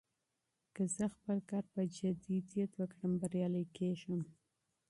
که زه خپل کار په جدیت وکړم، بريالی کېږم.